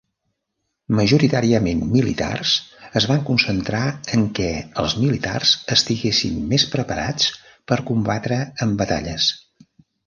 Majoritàriament militars, es van concentrar en què els militars estiguessin més preparats per combatre en batalles.